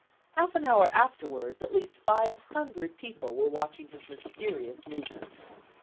Half an hour afterwards, at least five hundred people were watching his mysterious movements.